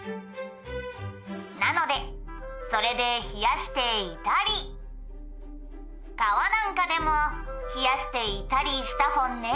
「なのでそれで冷やしていたり川なんかでも冷やしていたりしたフォンね」